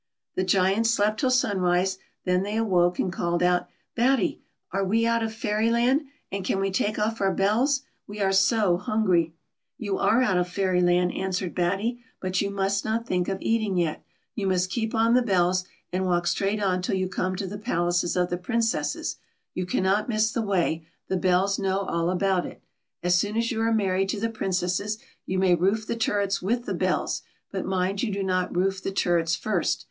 The Giants slept till sunrise, then they awoke, and called out: "Batty, are we out of Fairyland, and can we take off our bells .'' we are so hungry 1" BATTY. 213 " Vou are out of Fairyland," answered Batt}' ; "but you must not think of eating yet. You must keep on the bell s and walk straight on till you come to the palaces of the Princesses. You cannot miss the way ; the bells know all about it. As soon as you are married to the Princesses, you may roof the turrets with the bells, but mind you do not roof the turrets first.